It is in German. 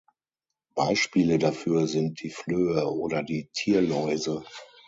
Beispiele dafür sind die Flöhe, oder die Tierläuse.